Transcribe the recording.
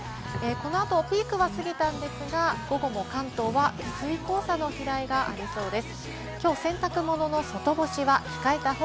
この後、ピークは過ぎたんですが午後も関東は薄い黄砂の飛来がありそうです。